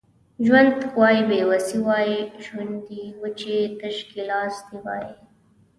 ژوند وای بې وسي وای شونډې وچې تش ګیلاس دي وای